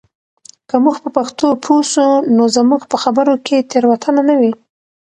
که موږ په پښتو پوه سو نو زموږ په خبرو کې تېروتنه نه وي.